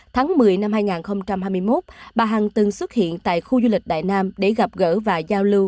tháng một mươi năm hai nghìn hai mươi một bà hằng từng xuất hiện tại khu du lịch đại nam để gặp gỡ và giao lưu